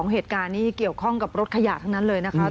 เหตุการณ์นี้เกี่ยวข้องกับรถขยะทั้งนั้นเลยนะคะ